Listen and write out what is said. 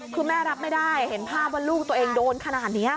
คือแม่รับไม่ได้เห็นภาพว่าลูกตัวเองโดนขนาดนี้